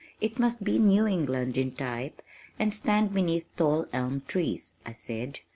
It must be New England in type and stand beneath tall elm trees," I said.